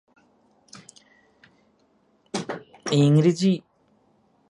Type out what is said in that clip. হিন্দি, বাংলা, ইংরেজি, লাতিন, ফার্সি ও রুশ ছাড়াও বিশ্বের অনেক অনেক ভাষা এই পরিবারের অন্তর্গত।